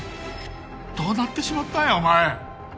どうなってしまったんやお前！